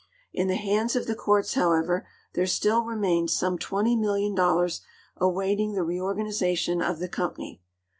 In the hands of the courts, however, there still remains some 820,000,000 awaiting the reorganization of the company.